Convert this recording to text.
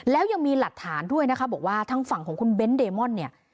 แล้วยังมีหลักฐานด้วยนะคะบอกว่าทางฝั่งของคุณเบ้นเดมอนเนี่ย